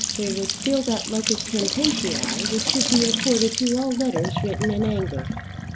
There was still that "locus poenitentiæ" which should be accorded to all letters written in anger.